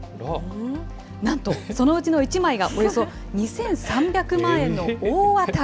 なんと、そのうちの１枚がおよそ２３００万円の大当たり。